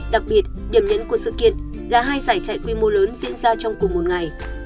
đặc biệt điểm nhấn của sự kiện là hai giải chạy quy mô lớn diễn ra trong cùng một ngày